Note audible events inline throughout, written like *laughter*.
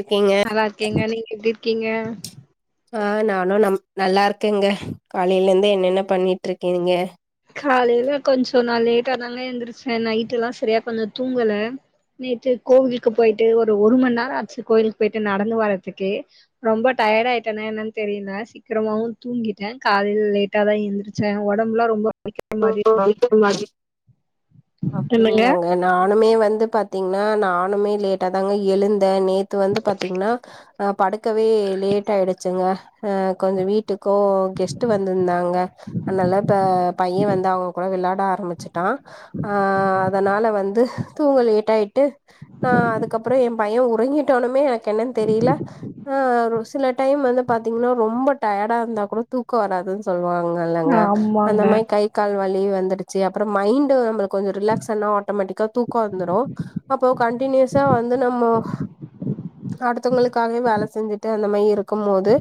இருக்கீங்க நல்லா இருக்கேங்க நீங்க எப்டி இருக்கீங்க ஆ நானு நம் நல்லா இருக்கேங்க காலலேந்து என்னென்ன பண்ணிட்ருக்கீங்க காலைல கொஞ்ச நா லேட்டா தாங்க எந்துருச்சே நைட்டு்லா சரியா கொஞ்ச தூங்கல நேற்று கோவிலுக்கு போயிட்டு ஒரு ஒருமண நேர ஆச்சு கோவிலுக்கு போயிட்டு நடந்து வரதுக்கே ரொம்ப ட டயர்ட் ஆயிட்டேனா என்னன்னு தெரியல சீக்கிரமாவு தூங்கிட்டே காலயிலலேட்டா தா எந்துருச்சே உடம்பெல்லா ரொம்ப வலிக்கிற மாரி இருந்தது என்னங்க அப்டிங்களாங்க நானுமே வந் து பாத்தீங்னா நானுமே லேட்டா தாங்க எழுந்து தே நேத்து வந்து பாத்தீங்னா படுக்கவே லேட் ஆயிடுச்சுங்க அ கொஞ்ச வீட்டு கோ கெஸ்ட் வந்துருந்தாங்க அதனால இப்ப யன் வந்து அவங்க கூட விளையாட ஆரம்பிச்சிட்டா அதனால வந்து தூங்க லேட் ஆயிட்டு நா அதுக்கப்புற என் பையன் உறங்கிட்டானுமே எனக்கு என்னன்னு தெரியல ஆஹ்ரு சில டைம் வந்து பாத்தீங்னா ரொம்ப டயர்டா இருந்தா கூட தூக்க வராதுனு சொல்வாங் ஆஹ ஆமாங்க கால் வலி வந்துடுச்சு அப்புற மைண்ட நம்மளுக் கொஞ்ச ரிலாக்ஸ் ஆனா ஆட்டமேட்டிக்கா தூக்க வந்துடு அப்போ கண்ட்டினியூஸா வந்து நம்மோ அடுத்தவங்களுக்காகவே வேல செஞ்சுட்டு அந்த மாதிரி இருக்கும் போது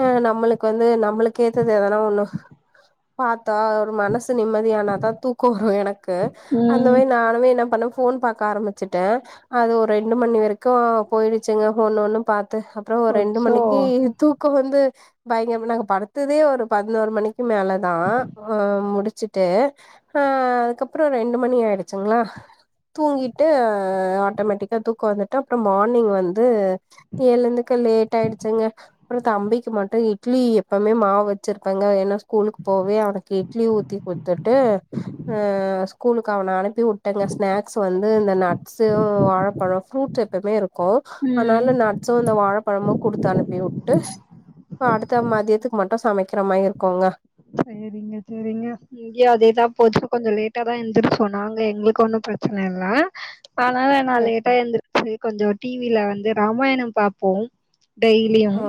அஹ் நம்ம நம்மளுக்கு வந்து நம்மளுக்கு ஏத்தது எதனா ஒண்ணு பாத்தா ஒரு மனசு நிம்மதியானா தா தூக்க வரு எனக்கு அந்த ம் மாதி நானுமே என்ன பண்ண ஃபோன் பாக்க ஆரம்பிச்சுட்டே அது ஒரு ரெண்டு மணி வரைக்கு போயிடுச்சுங்க ஒன்னு ஒன்னு பாத் து அப்புற ஒரு ரெண்டு அச்சோ மணிக்கு தூக்க வந்து பயங்கர நாங்க படுத்ததே ஒரு பதினோரு மணிக் க்கி மேல தா முடிச்சுட்டு ஆஹ் அதுக்கப்புற ரெண்டு மணி ஆயிடுச்சுங்களா தூங்கிட்டு ஆட்டமேட்டிக்கா தூக்க வந்துட்டு அப்புற மார்னிங் வந்து எழுந்துக்க லேட் ஆயிடுச்சுங்க அப்புற தம்பிக்கு மட்டு இட்லி எப்பமே மாவ் வச்சிருப்பேங்க ஏனா ஸ்கூலுக்கு போவே அவனுக் இட்லி ஊத்தி குடுத்துட்டு அ ஸ்கூலுக்கு அவன அனுப்பி வுட்டேங்க ஸ்நாக்ஸ் வந்து த நட்ஸு வாழப்பழ ஃப்ரூட் எப்போமே இருக்கு ம் அதனால நட்ஸும் இந்த வாழப்பழமு குடுத்து அனுப்பி வுட்டு இப்ப அடுத்து மதியத்துக்கு மட்டு சமக்கிற மாரி இருக்குங்க சேரிங்க சேரிங்க இங்கேயு அதேதா போச்சு கொஞ்ச லேட்டா தா எந்திரிச்சோ நாங்க எங்ளுக்கு ஒன்னு பிரச்ன இல்ல *inaudible* ஆனால நா சேர் லேட்டா சேர் எந்துருச்சு கொஞ்ச டிவில வந்து ராமாயணம் பாப்போம் டெய்லியு ஓ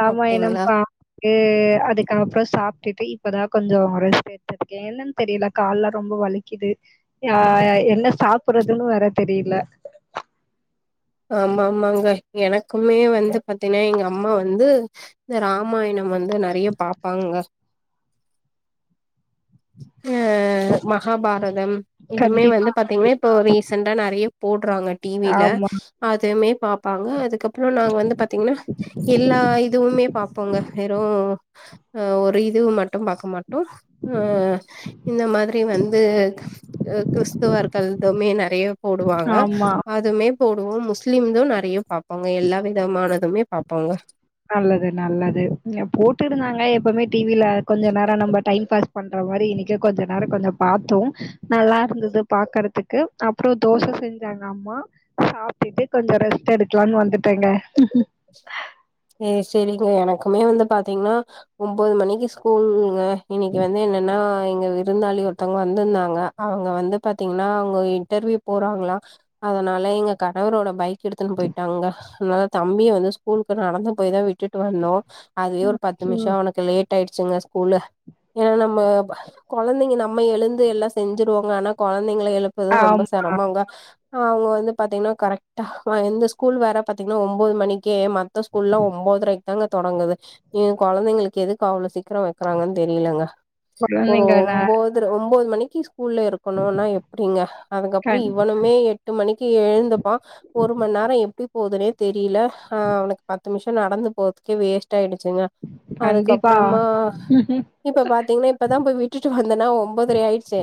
ராமாயணம் அப்டிங்களா *unintelligible* அதுக்கப்புற சாப்டுட்டு இப்பதா கொஞ்ச ரெஸ்ட் எடுத்துருகேனுன்னு தெரியல கால்லா ரொம்ப வலிக்குது ஆ.. என்ன சாப்டுறதுன்னு வேற தெரில *inaudible* ஆமா ஆமாங்க எனக்குமே வந்து பாத்தீனா எங்க அம்மா வந்து இந்த ராமாயணம் வந்து து நெறய பாப்பாங்க ஹ் அ மகாபாரதம் இதுமே வந்து கண்டிப்பா பாத்தீங்னா இப்போ ரீசண்டா நெறைய போட்றாங்க டிவில ஆமா அதுமே பாப்பாங்க அதுக்கப்றோ நாங்க வந்து பாத்தீங்னா எல்லா இதுவுமே பாப்போங்க ஹே ரோ ஓ அ ஒரு இது மட் டு பாக்க மாட்டோ ம் இந்த மாதிரி வந்து அ கிறிஸ்துவர்கள்துமே நெறைய போடுவாங்க ஆமா அதுமே போ ரோ முஸ்லிம் து நெறைய பாப்போங்க எல்லா விதமான நல்லது நல்லது போட்டுருந்தாங்க எப்பமே டிவில கொஞ்ச நேர நம்ப டைம் பாஸ் பண்ற மாரி இன்னிக்கு கொஞ்ச நேரோ கொஞ்ச பாத்தோ நல்லாருந்து து பாக்கறதுக்கு அப்றோ தோச செஞ்சாங்க அம்மா சாப்ட்டுட்டு கொஞ்ச ரெஸ்ட் எடுக்கலான் வந் துட்டங்கே ஏ செரிங்க எனக்குமே வந்து பாத்தீங்னா ஒம்போது மணிக்கு ஸ்கூல்ங்க இன்னைக்கு வந்து என்னன்னா எங்க விருந்தாலி ஒருத்தவங்க வந்திர்ந்தாங்க அவுங்க வந்து பாத்தீங்கனா அவுங்க இன்டர்வியூ போறாங்ளா அதனா ல எங்க கணவரோட பைக் எடுத்துன் போயிட்டாங்க அனால தம்பிய வந்து ஸ்கூலுக்கு நடந்து போய் தா விட்டுட் டு வந்தோ அதுவே ம். ஒரு பத்து ஓ! மிஷோ அவனக்கு லேட் ஆய்டுச்சுங்க ஸ்கூல்ல ஏ நம்ம கொழந்தைங்க நம்ம எழுந்து எல்லா செஞ்சிருவோங்க ஆனா கொழந்தைங்கள எழுப்புது ரொம்ப ஆமா. செரமங்க அவுங்க வந்து பாத்தீங்னா கரெக்டா எந்த ஸ்கூல் வேற பாத்தீங்னா ஒம்போது மணிக்கே ம த்த ஸ்கூல்ல ஒம்போதரைக் தாங்க தொடங்குது ஏ கொழந்தைங்களுக்கு எதுக்கு அவ்ளோ சீ க்கிரோ வெக்கிறாங்கன் தெரியிலங்க ஒரு குழந்தைங்க நா ஒம்போதர ஒம்போது மணிக்கி ஸ் கூல்ல இருக்கணுனா எப்டிங்க அதுக்கப்றோ கண் இவனுமே எட்டு மணிக்கு எழுந்துப்பா ஒரு மண் நே நேரோ எப்டி போதுனே தெரியில ஆ அவனுக்கு பத்து மிஷோ நடந்து போதுக்கே வேஸ்ட் ஆயிடுச் சிங்க கண்டிப்பா. அதுக்கப்புறமா இப்ப பாத்தீங்னா இப்பதா போய் விட் விட்டுட்டு வந்தனா ஒம்போதரை ஆயிட்ச்சு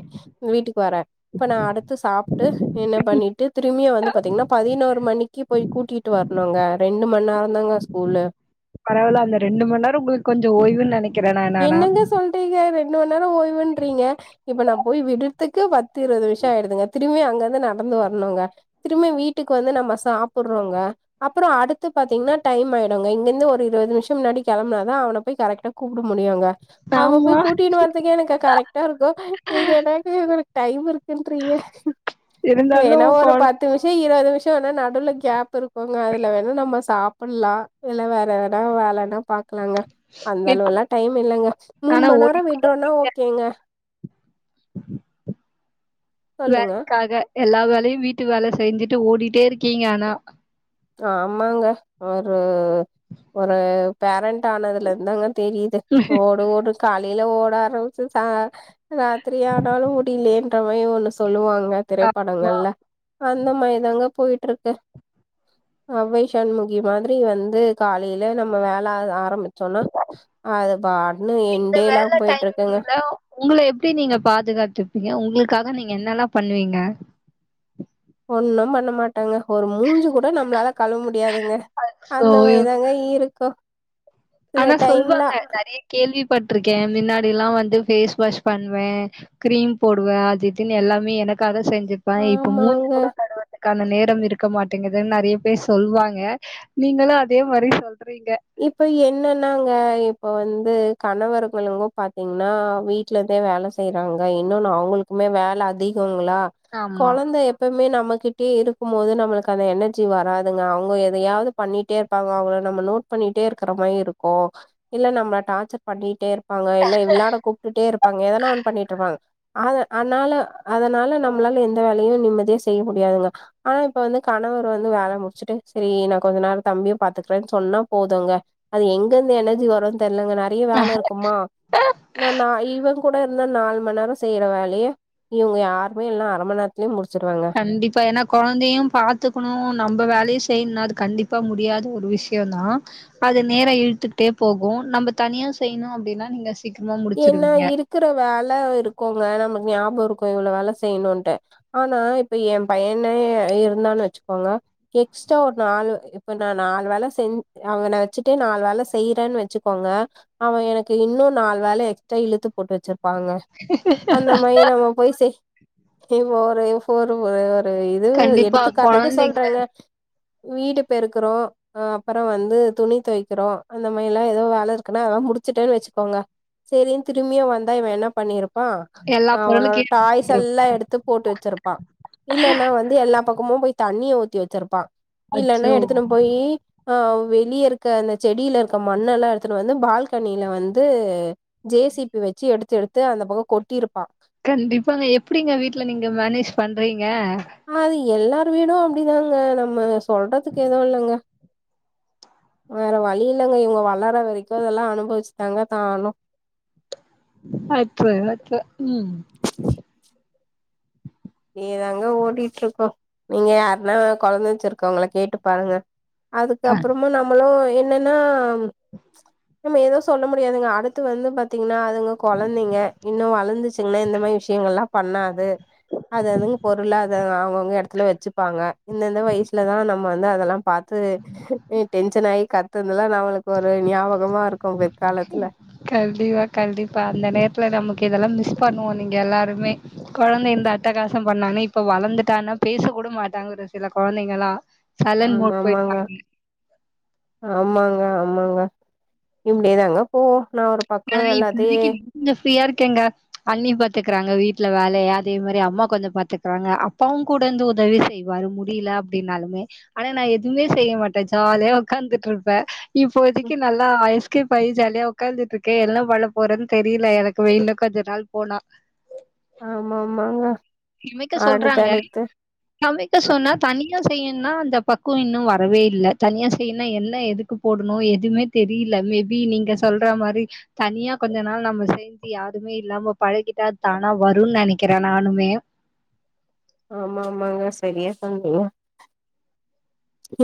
வீட்டுக்கு வர இப்ப நா அடுத்து சாப்ட்டு என்ன பண்ணிட்டு திரும்யு வந்து பாத்தீங்னா பதினோர் மணிக்கு போய் கூட்டிட்டு வரணுங்க ரெண்டு மண் நேரோ தாங்க ஸ்கூல்லு பரவால அந்த ரெண்டு மண் நேரோ கொ கொஞ்ச ஓய்வுன் நெனைக் என்னங்க சொல்றீங்க ரெண்டு மண் நேரோ ஓய்வுன்றீங்க இப்ப நா போய் விடுதுக்கு பத் து இருவது மிஷோ ஆய்டுதுங்க திருமியு அங்கந்து நடந்து வரணுங்க திரும்பி வீட்டுக்கு வந்து நம்ம சாப்புறோங்க அப்றோ அடுத்து பாத்தீங்னா டைம் ஆயிடுங்க இங்கருந்து ஒரு இருவது நிம்ஷோ முன்னாடி கெளம்பனாதா அவன போய் கரெக்டா கூப் ட முடியுங்க அவ ஆமா. போய் கூட்டினு வரத்துக்கே எனக்கு கரெக்டா இருக்கு நீங்க என்னாங்க இது மாரி டைம் இருக்குன்றீங்க வேணா இருந்தாலும் ஒரு குழ பத்து மிஷோ இருவது நி சோ ந நடுல கேப் இருக்குங்க அதுல வேணா நம்ம சாப்பிட்லா இல்ல வேற வேணா வேலனா பாக் க்கலாங்க அந்த இப்ப அளவெல்லா டைம் இல்லங்க மூணு ஆனா மண் நேரோ ஓடிட்டே விட்றோனா இருக்கீங்க ஓகேங்க சொல்லுங்க வேலைக்காக எல்லா வேலையு வீட்டு வேல செஞ்சிட்டு ஓடிட்டே இருக்கீங்க ஆனா ஆமாங்க ஒரு ஒரு பேரண்ட் ஆனதுலந்தாங்க தெரியிது ஓடு ஓடு காலையில ஓட ஆரம்ச்சு சா ராத்திர ஆனாலு முடியலேன்ற மாரி ஒண்ணு சொல்லுவாங் க ஆமா. திரைப்படங்கள்ல அந்த மாரிதாங்க போயிட்ருக்கு அவ்வை ஷண்முகி மாதிரி வந்து காலையில நம்ம வேல ஆ ஆரம்பி சொன்னா அது பாட்னு இந்த எண்டே வேல இல்லாம போயிட்ருக்குங்க டைமிங்ல உங்கள எப்டி நீங்க பாதுகாத்துப்பீங்க உங்களுக்காக நீங்க என்னெல்லா பண்ணுவீங்க ஒண்ணு பண்ண மாட் டங்க ஒரு மூஞ்சு கூட நம்ளால கழுவ முடியாதுங்க சோ அந்த மாரி தாங்க இருக்கு சில ஆனா டைம்ல சொல்வாங்க நெறைய கேள்வி பட்ருக்கே மின்னாடி எல்லா வந்து ஃபேஸ் வாஷ் பண்வே கிரீம் போடுவே அது இதுன் எல்லாமே எனக்காக செஞ்சுப்பே இப்ப மூஞ்சி ஆமாங்க கூட கழுவ கான நேரம் இருக்க மாட்டேங்கிதுன் நெறைய பேர் சொல்வாங்க நீங்களு அதே மாரி சொ இப்ப என்னென் நாங்க இப்போ வந்து கணவர்ங்களுங்கு பாத்தீங்னா வீட்லந்தே வேல செய்யறாங்க இன்னொன்னு அவுங்களுக்குமே வேல அதிகோங்ளா ஆமா. கொழந்த எப்பவுமே நாம் ம கிட்டயே இருக்கும் போது நம்மளுக்கு அந்த எனர்ஜி வராதுங்க அவங்க எதையாவது பண்ணிட்டே இருப்பாங்க அவங்கள நம்ம நோட் பண்ணிட்டே இருக்கற மாரி இருக்கு இல்ல நம்மள டார்ச்சர் பண்ணிட்டே இரு ப்பாங்க இல்ல விளாட கூப்டுட்டே இருப்பாங்க எதனா ஒண்ணு பண்ணிட்ருப்பாங்க அத அதனால அதனால நம்மளால எந்த வேலையு நிம்மதியா செய்ய முடியாதுங்க ஆனா இப்ப வந்து கணவர் வந்து வேல முடிச்சுட்டு சரி நா கொஞ்ச நேர தம்பியு பாத்துக்கறேன் சொன்னா போதுங்க அது எங்கிருந்து எனர்ஜி வருன் தெர்லங்க நறைய வேல இருக்குமா நா நா இவ கூட இருந்தா நாலு மண் நேர செய்ற வேலைய இவுங்க யாருமே இல்னா அரை மண் நேரத்துலயே முடிச் கண்டிப்பா ஏனா கொழந்தையு பாத்துக்கணு நம்ப வேலையு செய்னு அது கண்டிப்பா முடியாத ஒரு விஷயந்தா அது நேர இழுத்துட்டே போகு நம்ம தனியா செய்ணு அப்டினா நீங்க சீக்கிரமா ஏன்னா முடிச்சிருவீங்க இருக்குற வேலை இருக்குங்க நமக்கு ஞாபக இருக்கு இவ்ளோ வேல செய்ணுன்ட்டு ஆனா இப்ப எம் பையனே இருந்தானு வச்சுக்கோங்க எக்ஸ்டா ஒரு நாலு இப்ப நா நாலு வேலை செஞ் அவன வச்சுட்டே நாலு வேலை செய்யிறேன் வச்சு க்கோங்க அவ எனக்கு இன்னு நாலு வேலை எக்ஸ்ட்ரா இழுத்து போட்டு வெச்சிருப்பாங்க அந்த மாரி நம்ம போய் செய் செய்வோ ஒரு எ ஃபோரு ஒரு இது கண்டிப்பா எடுத்துக்காட்டுக்கு கொழந்தைங்க சொல்றேங்க வீடு பெருக்கறோ அப்பற வந்து துணி துவைக்கிறோ அந்த மாரிலா எதோ வேலை இருக்குனா அதாம் முடிச்சட்டேன் வச்சுக்கோங்க சரினு திரும்பியு வந்தா இவ என்ன பண்ணிருப் பா எல்லா பொருளு அவனோட டாய்ஸ் கேட்டு எல்லா எடுத்து போட்டு வச்சிருப்பா இல்லனா வந்து எல்லா பக்கமு போய் தண்ணிய ஊத்தி வச்சிருப்பா இல்லனா அச்சோ எடுத்துனு போயி அ வெளியே இருக்க அந்த செடில இருக்க மண்ணெல்லா எடுத்துட்டு வந்து பால்கனில வந்து ஜே சி பி வச்சு எடுத்து எடுத்து அந்த பக்க கொட்டிருப்பா கண்டிப்பாங்க எப்டிங்க வீட்ல நீங்க மேனேஜ் பண்றிங்க அது எல்லார் வீடு அப்டிதாங்க நம்ம சொல்றதுக்கு எதுவு இல்லங்க வேற வழி இல்லங்க இவங்க வளற வரைக்கு இதெல்லா அனுபவிச்சுதாங்க தாகனு அச்சோ அச்சோ ம் நீங்கதாங்க ஓடிட்ருக்கோ நீங்க யாருனா கொழந்த வச்சிருக்கவங்கள கேட்டு பாருங்க க அதுக்கப்புறமா நம்மளு என்னனா நம்ம எது சொல்ல முடியாதுங்க அடுத்து வந்து பாத்திங்னா அதுங்க கொழந்தைங்க இன்னு வளந்துச்சுங்னா இந்த மார் விஷயங்கள்லா பண்ணாது அது அதுங்க பொருளா அத அவங்கவுங்க எடத்துல வச்சுப்பாங்க இந்தந்த வயசுலதா நம்ம வந்து அதெல்லா பாத்து டென்ஷன் ஆகி கத்த இதெல்லா நம்மளுக்கு ஒரு ஞாபகமா இருக்கு பிற்காலத்துல நமக்கிதெல்லா மிஸ் பண்ணுவோ நீங்க எல்லாருமே குழந்தை இந்த அட்டகாசம் பண்ணானே இப்ப வளந்துட்டானா பேச கூட மாட்டாங்க சில கொழந்தைங்களா சைலன்ட் மோட் ஆமாமாங்க போயிருப்பாங்க. ஆமாங்க ஆமாங்க இப்டியேதாங்க போகு நா ஒரு ஆனா பக்க எல்லாத்தை இப்போதைக்கு கொஞ்சம் ஃப்ரீயா இருக்கேங்க அண்ணி பாத்துக்கிறாங்க வீட்ல வேலைய அதே மாரி அம்மா கொஞ்ச பாத்துக்றாங்க அப்பாவு கூட வந்து உதவி செய்வாரு முடில அப்டினாலுமே ஆனா நா எதுமே செய்ய மாட்ட ஜாலியா உக்காந்துட்ருப்ப ப்ப இப்போதைக்கு ம், நல்லா எஸ்கேப் ஆயி ஜாலியா உக்காந்துட்ருக் கே என்ன பண்ண போறேன்னு தெரியல எனக்கு வெயில கொஞ்ச நாள் போனா ஆமா ஆமாங்க மைக்க சொல்றாங்க அடுத்தடுத்து சமைக்க சொன்னா தனி தன செய்யும்னா அந்த பக்குவ இன்னு வரவே இல்ல தனியா செய்யனுன என்ன எதுக்கு போடணு எதுவுமே தெரியல மேபி நீங்க சொல்ற மாரி தனியா கொஞ்ச நாள் நம்ம சேந்து யாருமே இல்லாம பழகிட்டா ஆனா வருன்னு நெனைக்கிறே நானுமே பெரிய சொந்து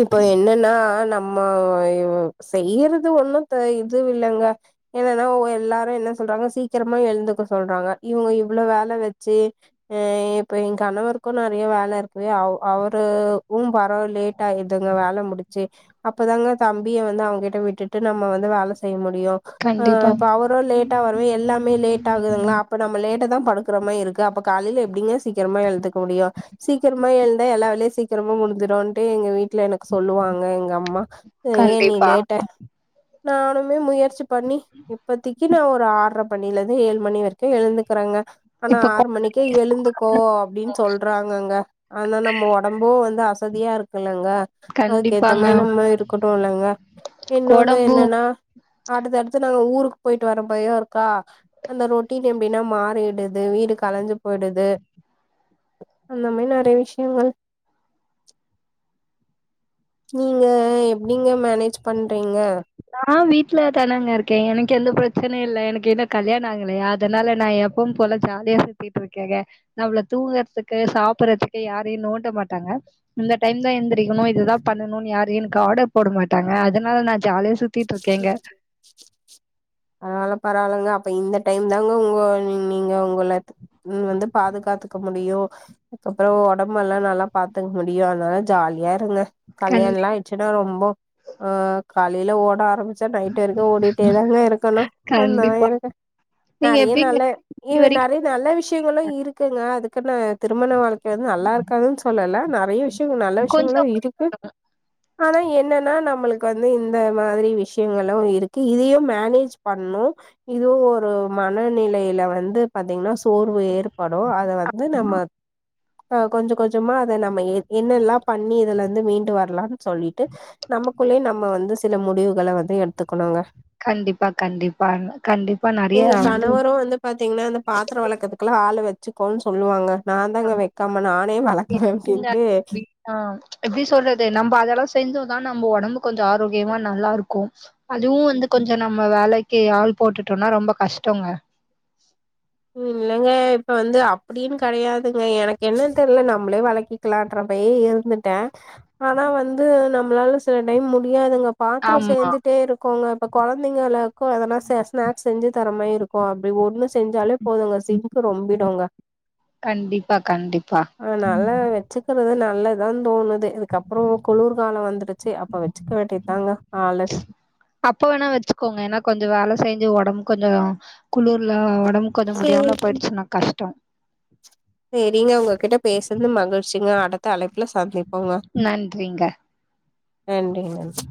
இப்போ என்னன்னா நம் அம்மா செய்யறது ஒன்னும் இது இல்லைங்க என்னன்னா எல்லாரு என்ன சொ சொல்றாங்க சீக்கிரமா எழுந்துக்க சொல்றாங்க இவங்க இவ்வளவு வேல வச்சு அ இப்ப எங் கணவரு கு நெறைய வேல இருக்கு அவ் அவரு ம் பரவால்லே இதுங்க வேல முடிச்சு அப்பதாங்க தம்பிய வந்து அவங்கிட்ட விட்டுட்டு நம்ம வந்து வேல செய்ய மு ரியு ஆ கண்டிப்பா, இப்பவரு லேட்டா வருது எல்லாமே லேட் ஆகுதுங்களா அப்ப நம்ம லேட் இப்பதா படுக்குற மாரி இருக்கு அப்ப காலையில எப்டிங்க சீக்கிரமா எழுதுக்க முடியு சீக்கிரமா எழுந்தா எல்லா வேலய சீ திருமங்கொலத்துல வண்ட்டு எங்க எனக்கு சொல்லுவாங்க எங்க அம்மா ஏ நீ கண்டிப்பா. லேட்டா நானானுமே முயற்சி சுப் பண்ணி இப்பத்திக்கு நா ஒரு ஆர்ர மணியிருந்து ஏழு மணி வரைக்கு எழுந்துக்கறேங்க ஆனா இப்ப கொ ஆறு மணிக்கே எழுந்துக்கோ அப்டின் சொல்றாங்கங்க ஆனா நம்ம ஒடம்பு வந்து வசதியாருக் இங்க அதுக்கு ஏத்த கண்டிப்பாங்க. மாரி நம்ம இருக்கட்டு இல்லங்க இன்னொன்னு கொடம்பு என்னன்னா அடுத்த அடுத்து நாங்க ஊருக்கு போயிட்டு வர போரோ இருக்கா அந்த ரொட்டீன் எப்டின்னா மாறிடுது வீடு கலைஞ்சு போயி்டுது அந்த மாரி நெறைய விஷயங்கள் நீங்க எப்டிங்க மேனேஜ் பண்றீங்க நா வீட்டு்ல தானங்க இருக்கே எனக்கு எந்த பிரச்சனையு இல்லை எனக்கு இன்னு கல்யாண ஆகலையா அதனால நா எப்பவும் போல ஜாலியா சுத்திட்ருக்கேங்க நம்ள தூங்கறதுக்கு சாப்பறதுக்கு யாரையு நோண்ட மாட்டாங்க இந்த டைம் தா எந்திரக்கணு இதுதா பண்ணணும்னு யாரு எனக்கு ஆர்டர் போட மாட்டாங்க அதனால நா ஜாலியா சு அதனால பரவாயில்லங்க இப்ப இந்த டைம் தாங்க உங்க நீங்க உங்கள நீங்க வந்து பாதுகாத்துக்க முடியு அப்புற உடம்பெல்லா நல்லா பாத்துக்க முடியு அதனால ஜாலியா இருங்க கண்டி கல்யாண்லா வச்சுட்டா ரொம்ப ஆ காலைல ஓட ஆரம்ச் ச நைட் வரைக்கு ஓடிட்டே தாங்க இருக்கணு அந்த நாய் கண்டிப்பா. கணக்கா நீங்க நெறைய எப்படிங்க நல்ல இ இது வரைக்கும் நெறைய நல்ல விஷயங்களு இருக்குங்க அதுக்கு நா திருமண வாழ்க் இ வந்து நல்லாருக்காதுன்னு சொல்லல நெறைய விஷயங்கள் நல்ல விஷயங்களு கொஞ்சம் இருக்கு ஆனா என்னன்னா நம்மளுக்கு வந்து இந்த மாதிரி விஷயங்களு இருக்கு இதையு மேனேஜ் பண்ணு இதுவு ஒரு மனநிலை வந்து பாத்தீங்கன்னா சோர்வு ஏற் படு அத வந்து நம்ம அ கொஞ்ச கொஞ்சமா அத நம்ம ஏத் என்னெல்லா பண்ணி இதுல இந்து மீண்டு வரலான் சொல்லிட்டு நமக்குள்ளையே நம்ம வந்து சில முடிவுகள வந்து எடுத்துக்கணுங்க கண்டிப்பா, கண்டிப்பாங்க. கண்டிப்பா நெறைய எங்க கணவரு வந்து பாத்தீங்னா இந்த பாத்திரோ வெளக்கர்த்க் குல்லா ஆளு வச் சிக்கோன் சொல்லுவாங்க நா தாங்க வைக்காம நானே வெளக்குவே அப்டின்ட்டு ஆ எப்டி சொல்றது நம்ப அதெல்லா செஞ்சோ தா நம்ம ஒடம்பு கொஞ்சோ ஆரோக்கியமா நல்லாருக்கும் அதுவு வந்து கொஞ்சோ நம்ம வேலைக்கு ஆள் போட்டுட்டோன் அனா ரொம்ப கஷ்டோங்க இல்லங்க இப்ப வந்து அப்டின் கெடயாதுங்க எனக்கு என்னன் தெர்ல நம்ளே வெளக்கிக்கலான்ற அப்டியே இருந்துட்ட ஆனா வந்து நம்ளால சில டைம் முடியாதுங்க பாத்ரோ ஆமா சேந்துட்டே இருக் கோங்க இப்ப கொழந்தைங்களுக்கு எதனா ஸநா ஸ்நாக்ஸ் செஞ்சுத் தர மாரி இருக்கு அப்டி ஒன்னு செஞ்சாலே போதுங்க சிங்க்கு ரொம்பிடுங்க கண்டிப்பா கண்டிப்பா அதனால வச்சுக்கிறது நல்லதா தோணு து இதுக்கப்புற குளுர் கால வந்துடுச்சு அப்ப வச்சுக்க வேண்டியதாங்க ஆளு அப்ப வேணா வச்சுகோங்க ஏனா செஞ்சு ஒடம்பு கொஞ்ச குளுர்ல ஒடம்பு கொஞ்ச சேரி முடியாம போயிடுச்சுனா கஷ்ட செரிங்க உங்ககிட்ட பேசுனது மகிழ்ச்சிங்க அடுத்த அழைப்புல சந்திப் போங்க நன்றிங்க நன்றி நன்றி